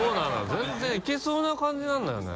全然いけそうな感じなんだよね。